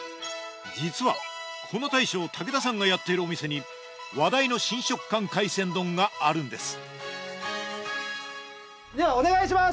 実はこの大将武田さんがやっているお店に話題の新食感海鮮丼があるんですではお願いします！